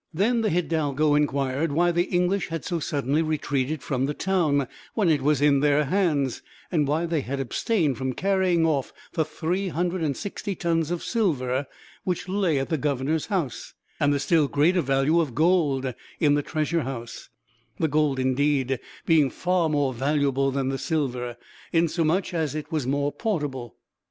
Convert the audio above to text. Then the hidalgo inquired why the English had so suddenly retreated from the town, when it was in their hands, and why they had abstained from carrying off the three hundred and sixty tons of silver which lay at the governor's house, and the still greater value of gold in the treasure house the gold, indeed, being far more valuable than the silver, insomuch as it was more portable.